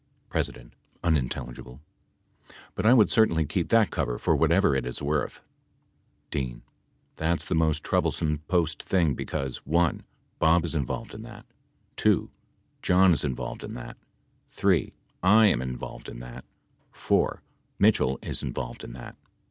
P. [unintelligible] but I would, certainly keep that cover for whatever it is worth. D. That's the most troublesome post thing because (1) Bob is involved in that ; (2) John is involved in that : (3) I am in volved in that; (4) Mitchell is involved in that.